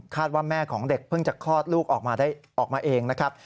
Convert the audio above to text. คาดว่าแม่ของเด็กเพิ่งจะคลอดลูกออกมาเองนะครับ